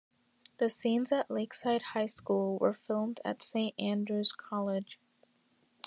The scenes at Lakeside High School were filmed at Saint Andrew's College.